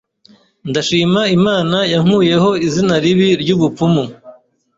Ndashima Imana yankuyeho izina ribi ry’ubupfumu